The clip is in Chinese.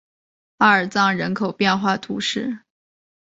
阿尔藏人口变化图示